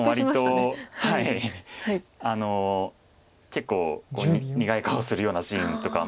結構苦い顔するようなシーンとか。